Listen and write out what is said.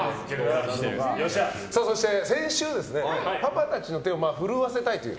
そして、先週パパたちの手を震わせたいという